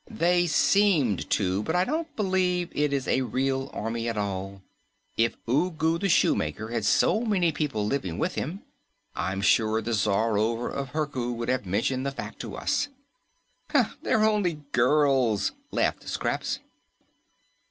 "They seemed to, but I don't believe it is a real army at all. If Ugu the Shoemaker had so many people living with him, I'm sure the Czarover of Herku would have mentioned the fact to us." "They're only girls!" laughed Scraps.